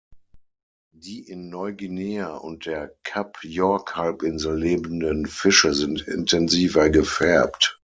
Die in Neuguinea und der Kap-York-Halbinsel lebenden Fische sind intensiver gefärbt.